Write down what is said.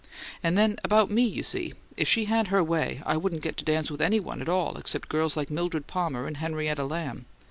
And then about me, you see, if she had her way I wouldn't get to dance with anybody at all except girls like Mildred Palmer and Henrietta Lamb.